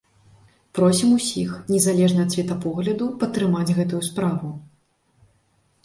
Просім усіх, незалежна ад светапогляду, падтрымаць гэтую справу.